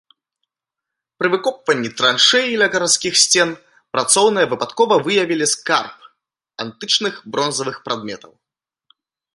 Пры выкопванні траншэй ля гарадскіх сцен працоўныя выпадкова выявілі скарб антычных бронзавых прадметаў.